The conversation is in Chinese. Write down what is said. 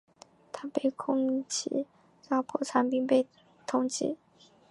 他被控欺诈破产并被通缉。